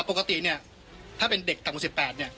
ปกติเนี่ยถ้าเป็นเด็กต่ำกว่า๑๘เนี่ย